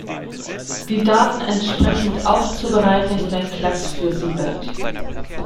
Die Daten entsprechend aufzubereiten, ist ein Klacks für Siebert.